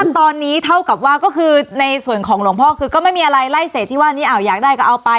ตอนนี้เท่ากับว่าก็คือในส่วนของหลวงพ่อคือก็ไม่มีอะไรไล่เศษที่ว่านี้อยากได้ก็เอาไป